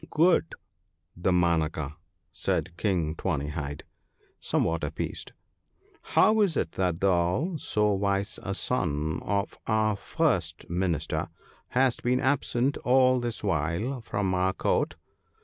' Good Damanaka,' said King Tawny hide, somewhat appeased, * how is it that thou, so wise a son of our first minister, hast been absent all this while from our Court